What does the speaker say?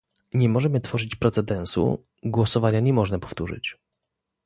Nie możemy tworzyć precedensu, głosowania nie można powtórzyć